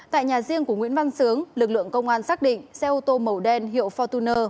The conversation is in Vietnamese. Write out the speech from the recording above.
tại nhà riêng của nguyễn văn sướng lực lượng công an xác định xe ô tô màu đen hiệu fortuner